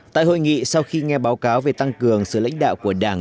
tại hội nghị sau khi nghe báo cáo về tăng cường sự lãnh đạo của đảng